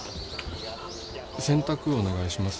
洗濯お願いします。